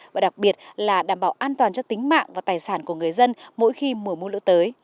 và đặc biệt là đảm bảo an toàn cho tính mạng và tài sản của người dân mỗi khi mùa mưa lũ tới